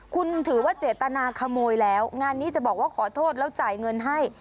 คุณถือว่าเจตนาขโมยแล้วงานนี้จะบอกว่าขอโทษแล้วจ่ายเงินให้